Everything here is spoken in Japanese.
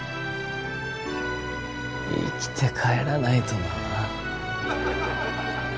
生きて帰らないとな。